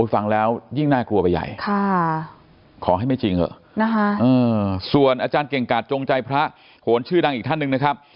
ฟังแล้วยิ่งน่ากลัวไปใหญ่ขอให้ไม่จริงเหรอส่วนอาจารย์เก่งกาดจงใจพระโขนชื่อดังอีกท่านหนึ่งนะครับ